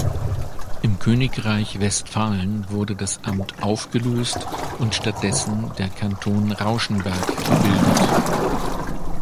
Im Königreich Westphalen wurde das Amt aufgelöst und stattdessen der Kanton Rauschenberg gebildet.